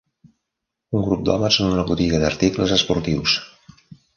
Un grup d'homes en una botiga d'articles esportius